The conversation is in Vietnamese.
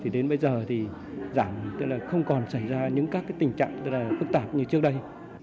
đến bây giờ thì giảm không còn xảy ra những tình trạng phức tạp như trước đây